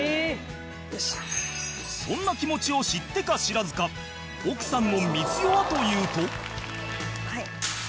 そんな気持ちを知ってか知らずか奥さんの光代はというと